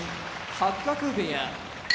八角部屋